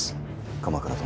鎌倉殿！